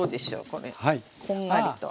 こんがりと。